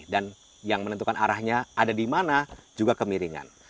yang menentukan arahnya ada di mana juga kemiringan